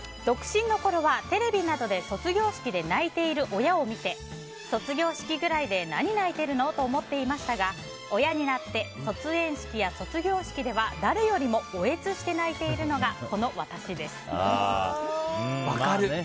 独身のころはテレビなどで卒業式で泣いている親を見て、卒業式ぐらいで何を泣いているのと思っていましたが、親になって卒園式や卒業式では誰よりも嗚咽して泣いているのが分かる！